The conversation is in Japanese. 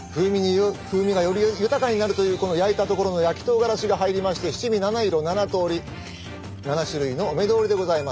風味がより豊かになるというこの焼いたところの焼きとうがらしが入りまして七味七色七通り７種類のお目通りでございます。